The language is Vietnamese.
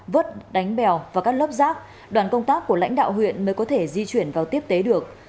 vứt đánh bèo và các lớp rác đoàn công tác của lãnh đạo huyện mới có thể di chuyển vào tiếp tế được